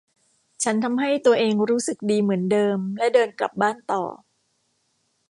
ฉันทำให้ตัวเองรู้สึกดีเหมือนเดิมและเดินกลับบ้านต่อ